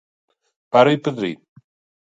Pare i padrí.